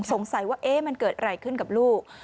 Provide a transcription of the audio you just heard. สงสัยว่ามันเกิดอะไรขึ้นกับลูก